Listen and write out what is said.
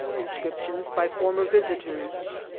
— Inscriptions by former Visiters.